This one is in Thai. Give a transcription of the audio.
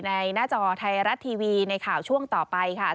หน้าจอไทยรัฐทีวีในข่าวช่วงต่อไปค่ะ